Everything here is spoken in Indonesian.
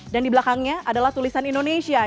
dan di belakangnya adalah tulisan indonesia